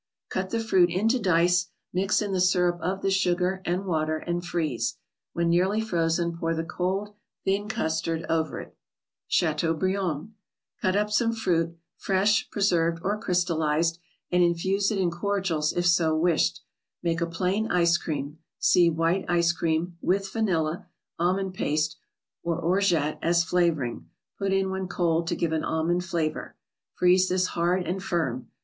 Cut the fruit into dice, mix in the syrup of the sugar and water, and freeze; when nearly frozen, pour the cold, thin custard over it. CIjatcaubtfanD. Cut u ?, some fruit p re ; 7 served, or crystalized), and infuse in it cordials if so wished. Make a plain ice cream (see " White Ice Cream "), with vanilla,—almond paste, or Orgeat as flavoring, put in when cold to give an almond flavor. Freeze this hard and firm.